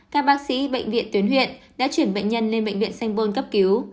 các bác sĩ bệnh viện tuyến huyện đã chuyển bệnh nhân lên bệnh viện sanh bôn cấp cứu